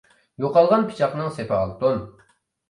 يوقالغان پىچاقنىڭ سېپى ئالتۇن.